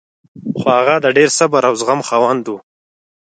خو هغه د ډېر صبر او زغم خاوند و